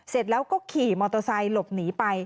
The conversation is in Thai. เสร็จแล้วก็ขี่มอเตอร์ไซค์หลบหนีไป